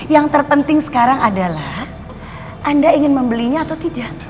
yang terpenting sekarang adalah anda ingin membelinya atau tidak